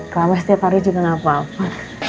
keramas tiap hari juga gak apa apa